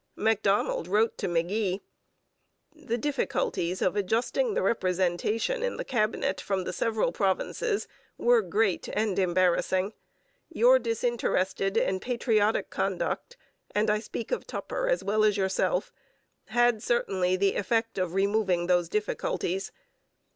Macdonald wrote to McGee: The difficulties of adjusting the representation in the Cabinet from the several provinces were great and embarrassing. Your disinterested and patriotic conduct and I speak of Tupper as well as yourself had certainly the effect of removing those difficulties.